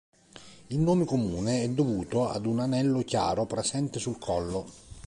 Il nome comune è dovuto ad un anello chiaro presente sul collo.